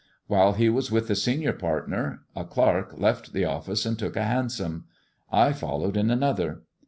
While he was with the senior irtner a clerk left the office and took a hansom. I >llowed in another.